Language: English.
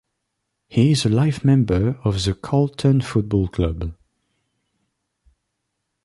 He is a life-member of the Carlton Football Club.